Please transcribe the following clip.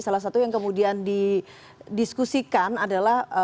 salah satu yang kemudian didiskusikan adalah